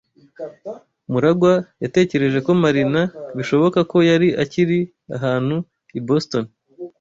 MuragwA yatekereje ko Marina bishoboka ko yari akiri ahantu i Boston.